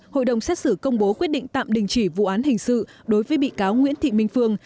hội đồng xét xử công bố quyết định tạm đình chỉ vụ án hình sự đối với bị cáo nguyễn thị minh phương